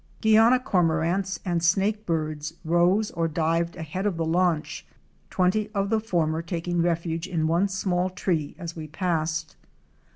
Guiana Cormorants "" and Snakebirds® rose or dived ahead of the launch, twenty of the former taking refuge in one small tree as we passed.